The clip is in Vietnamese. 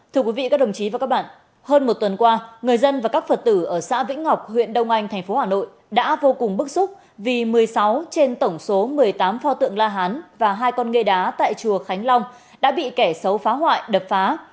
thưa quý vị các đồng chí và các bạn hơn một tuần qua người dân và các phật tử ở xã vĩnh ngọc huyện đông anh tp hà nội đã vô cùng bức xúc vì một mươi sáu trên tổng số một mươi tám pho tượng la hán và hai con nghê đá tại chùa khánh long đã bị kẻ xấu phá hoại đập phá